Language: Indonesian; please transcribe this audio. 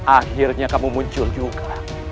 akhirnya kamu muncul juga